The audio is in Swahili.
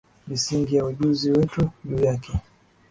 Misingi ya ujuzi wetu juu yake